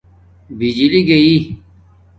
بجلی گݵی